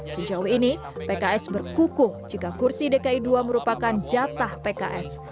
sejauh ini pks berkukuh jika kursi dki dua merupakan jatah pks